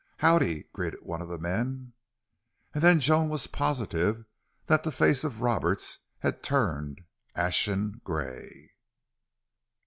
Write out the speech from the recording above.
"Howdy," greeted one of the men. And then Joan was positive that the face of Roberts had turned ashen gray.